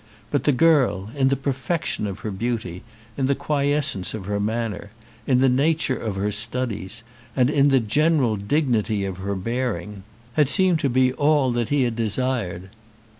But the girl, in the perfection of her beauty, in the quiescence of her manner, in the nature of her studies, and in the general dignity of her bearing, had seemed to be all that he had desired.